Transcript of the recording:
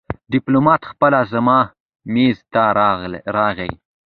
ډيپلومات خپله زما مېز ته راغی.